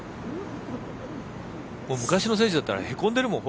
昔の選手だったらへこんでるもん。